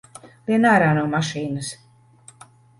Lien ārā no mašīnas!